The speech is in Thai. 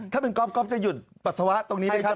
ถ้าเป็นก๊อฟจะหยุดปัสสาวะตรงนี้ไหมครับ